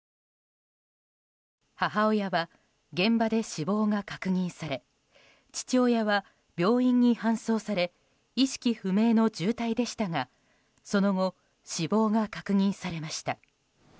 母親は現場で死亡が確認され父親は病院に搬送され意識不明の重体でしたがその後、死亡が確認されました。